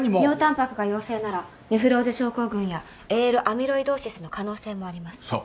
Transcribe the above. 尿たんぱくが陽性ならネフローゼ症候群やＡＬアミロイドーシスの可能性もあります。